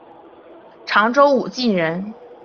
常州武进人。